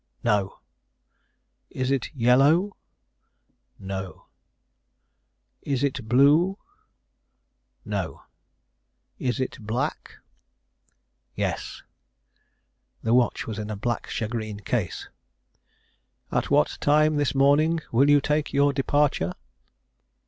"No." "Is it yellow?" "No." "Is it blue?" "No." "Is it black?" "Yes." [The watch was in a black shagreen case.] "At what time this morning will you take your departure?"